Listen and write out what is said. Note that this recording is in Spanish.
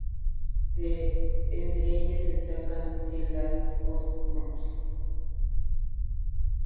De entre ellas destaca "The Last of Mrs.